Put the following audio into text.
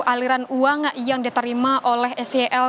aliran uang yang diterima oleh sel